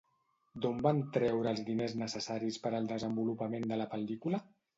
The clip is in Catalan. D'on van treure els diners necessaris per al desenvolupament de la pel·lícula?